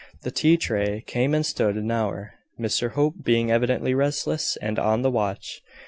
The tea tray came and stood an hour Mr Hope being evidently restless and on the watch.